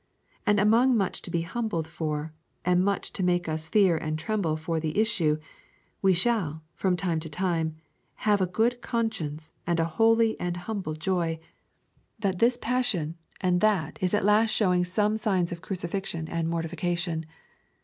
And among much to be humbled for, and much to make us fear and tremble for the issue, we shall, from time to time, have a good conscience and a holy and humble joy that this passion and that is at last showing some signs of crucifixion and mortification.